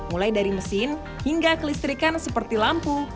mulai dari mesin hingga kelistrikan seperti lampu